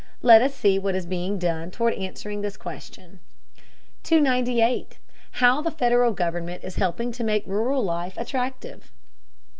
Let us see what is being done toward answering this question. 298. HOW THE FEDERAL GOVERNMENT IS HELPING TO MAKE RURAL LIFE ATTRACTIVE.